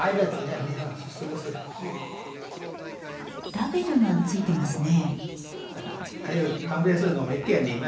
ラベルがついてますね？